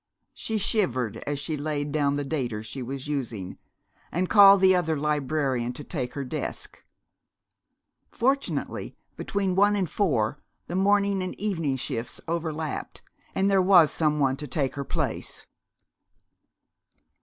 She shivered as she laid down the dater she was using, and called the other librarian to take her desk. Fortunately, between one and four the morning and evening shifts overlapped, and there was some one to take her place.